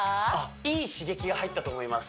いい刺激が入ったと思います